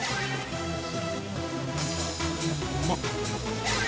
うまっ。